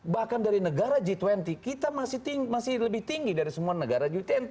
bahkan dari negara g dua puluh kita masih lebih tinggi dari semua negara g dua puluh